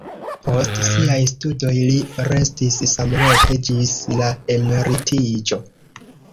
Post siaj studoj li restis samloke ĝis la emeritiĝo.